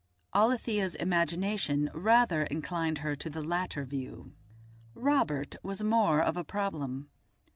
Alethia's imagination rather inclined her to the latter view. Robert was more of a problem.